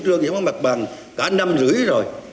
chủ trương thì nó mặt bằng cả năm rưỡi rồi